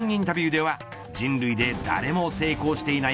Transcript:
抽選会後の独占インタビューでは人類で誰も成功していない